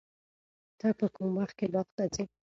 ته په کوم وخت کې باغ ته ځې؟